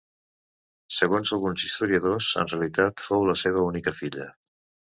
Segons alguns historiadors, en realitat fou la seva única filla.